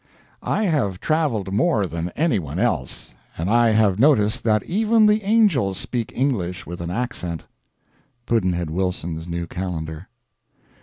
I have traveled more than anyone else, and I have noticed that even the angels speak English with an accent. Pudd'nhead Wilson's New Calendar.